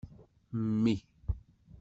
Mmi.